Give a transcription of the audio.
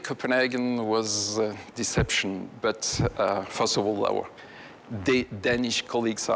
โคเปรนเฮงกันเป็นสิ่งที่สงสัย